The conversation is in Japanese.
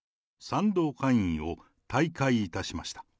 賛同会員を退会いたしました。